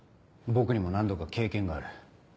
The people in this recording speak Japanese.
僕にも何度か経験がある。